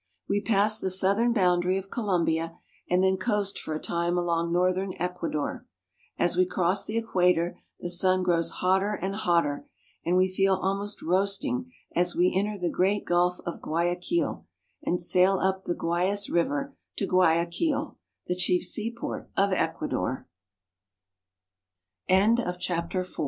We pass the southern boundary of Colom bia, and then coast for a time along northern Ecuador. As we cross the equator the sun grows hotter and hot ter, and we feel almost roasting as we enter the great Gulf of Guayaquil (gwi a ker) and sail up the Guayas river to Guayaquil, the chief seap